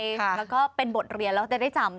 แล้วก็เป็นบทเรียนแล้วจะได้จำ